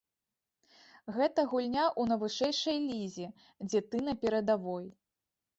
Гэта гульня ў найвышэйшай лізе, дзе ты на перадавой.